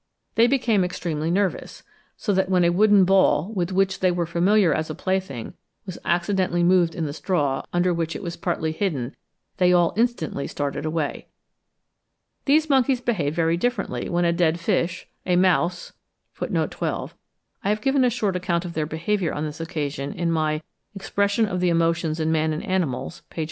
They became extremely nervous; so that when a wooden ball, with which they were familiar as a plaything, was accidentally moved in the straw, under which it was partly hidden, they all instantly started away. These monkeys behaved very differently when a dead fish, a mouse (12. I have given a short account of their behaviour on this occasion in my 'Expression of the Emotions in Man and Animals,' p. 43.)